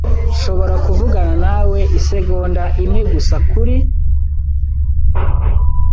Nshobora kuvugana nawe isegonda imwe gusa kuri ?